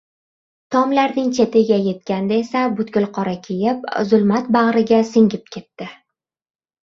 tomlarning chetiga yetganda esa butkul qora kiyib, zulmat bagʻriga singib ketdi…